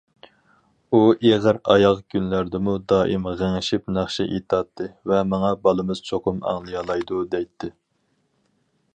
ئۇ، ئېغىر ئاياغ كۈنلەردىمۇ دائىم غىڭشىپ ناخشا ئېيتاتتى ۋە ماڭا:« بالىمىز چوقۇم ئاڭلىيالايدۇ» دەيتتى.